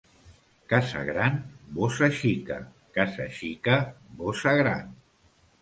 Casa gran, bossa xica; casa xica, bossa gran.